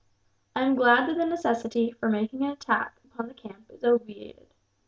I am glad that the necessity for making an attack upon the camp is obviated.